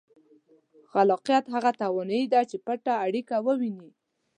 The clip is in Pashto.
خلاقیت هغه توانایي ده چې پټه اړیکه ووینئ.